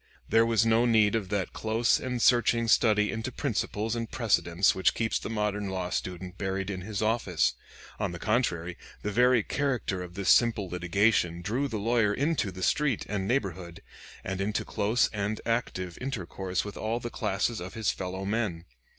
There was no need of that close and searching study into principles and precedents which keeps the modern law student buried in his office. On the contrary, the very character of this simple litigation drew the lawyer into the street and neighborhood, and into close and active intercourse with all classes of his fellow men.